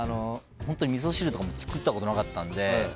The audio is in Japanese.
本当に、みそ汁とかも作ったことなかったので。